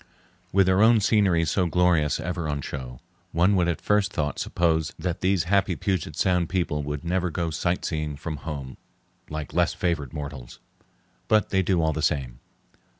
With their own scenery so glorious ever on show, one would at first thought suppose that these happy Puget Sound people would never go sightseeing from home like less favored mortals. But they do all the same.